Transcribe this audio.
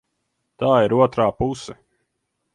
Tā ir otrā puse.